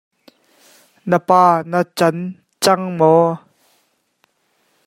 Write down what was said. Na pa na can cang maw?